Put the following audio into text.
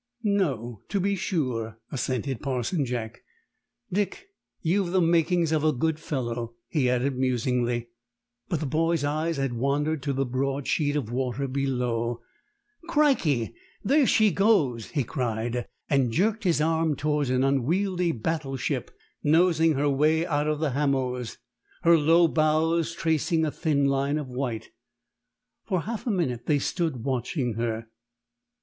"No, to be sure," assented Parson Jack. "Dick, you've the makings of a good fellow," he added musingly. But the boy's eyes had wandered to the broad sheet of water below. "Crikey, there she goes!" he cried, and jerked his arm towards an unwieldy battle ship nosing her way out of the Hamoaze, her low bows tracing a thin line of white. For half a minute they stood watching her.